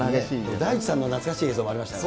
大地さんの懐かしい映像もありましたね。